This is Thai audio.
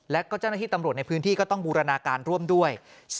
และก็เจ้าหน้าที่ตำรวจในพื้นที่ก็ต้องบูรณาการร่วมด้วย